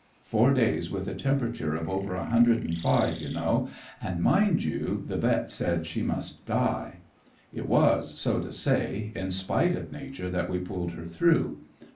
Four days with a temperature of over a hundred and five, you know; and, mind you, the vet. said she must die. It was, so to say, in spite of Nature that we pulled her through.